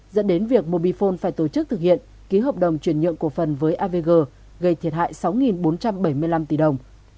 dẫn đến việc mobifone phải tổ chức thực hiện ký hợp đồng chuyển nhượng cổ phần với avg gây thiệt hại sáu bốn trăm bảy mươi năm tỷ đồng